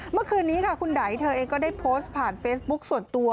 เมื่อคืนนี้ค่ะคุณไดเธอเองก็ได้โพสต์ผ่านเฟซบุ๊คส่วนตัว